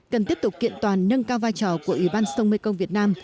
cần tiếp tục kiện toàn nâng cao vai trò của ubnd sông mê công việt nam